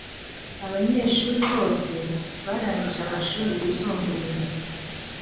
Abanyeshuri bose barangije amashuri yisumbuye